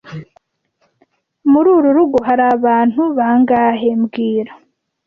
Muri uru rugo hari abantu bangahe mbwira